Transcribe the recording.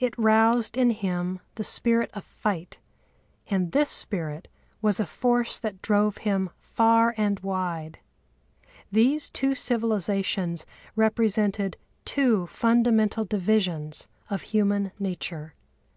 It roused in him the spirit of fight, and this spirit was a force that drove him far and wide. These two civilisations represented two fundamental divisions of human nature.